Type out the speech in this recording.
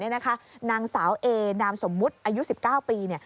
นางสาวเอนามสมมุติอายุ๑๙ปี